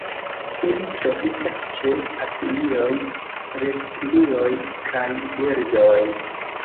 Ili troviĝas ĉe papilioj, reptilioj kaj birdoj.